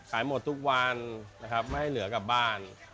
หมดทุกวันนะครับไม่ให้เหลือกลับบ้าน